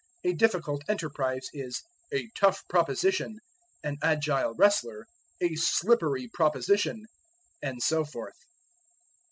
A difficult enterprise is "a tough proposition," an agile wrestler, "a slippery proposition," and so forth.